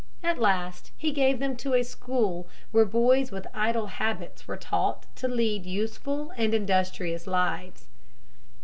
At last he gave them to a school where boys with idle habits were taught to lead useful and industrious lives.